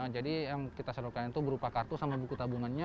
jadi yang kita salurkan itu berupa kartu sama buku tabungannya